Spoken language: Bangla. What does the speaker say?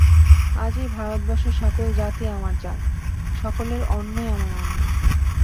আজ এই ভারতবর্ষের সকলের জাতই আমার জাত, সকলের অন্নই আমার অন্ন।